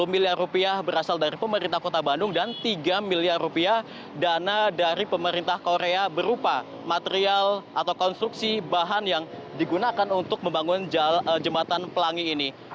satu miliar rupiah berasal dari pemerintah kota bandung dan tiga miliar rupiah dana dari pemerintah korea berupa material atau konstruksi bahan yang digunakan untuk membangun jembatan pelangi ini